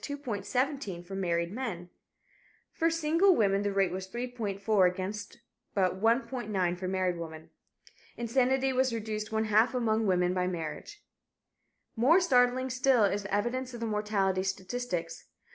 17 for married men. For single women the rate was 3.4 against but 1.9 for married women. Insanity was reduced one half among women by marriage. More startling still is the evidence of the mortality statistics.